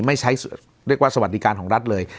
ไม่ใช้เรียกว่าสวัสดิการของรัฐเลย